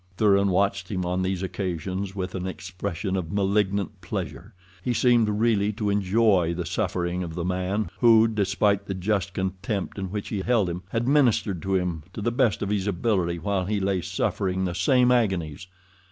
Thuran watched him on these occasions with an expression of malignant pleasure—he seemed really to enjoy the suffering of the man who, despite the just contempt in which he held him, had ministered to him to the best of his ability while he lay suffering the same agonies.